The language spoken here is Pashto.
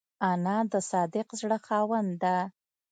انا د صادق زړه خاوند ده